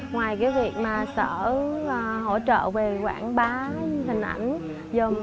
ngoài việc sở hỗ trợ về quảng bá hình ảnh dùm